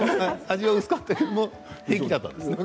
味が薄かったけど平気だったんですか。